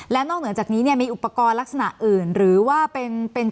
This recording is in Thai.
และนอกเหนือจากนี้มีอุปกรณ์ลักษณะอื่น